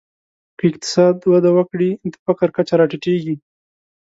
که اقتصاد وده وکړي، د فقر کچه راټیټېږي.